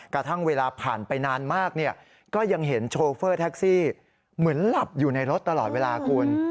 กระทั่งเวลาผ่านไปนานมากก็ยังเห็นโชเฟอร์แท็กซี่เหมือนหลับอยู่ในรถตลอดเวลาคุณ